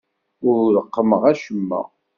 Ur reqqmeɣ acemma.